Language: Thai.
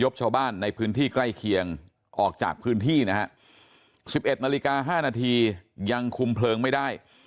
พรึ่งออกจากพื้นที่นะครับ๑๑นาฬิกา๕นาทียังคุมเพลิงไม่ได้